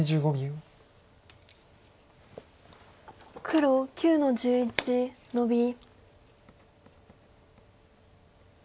黒９の十一ノビ。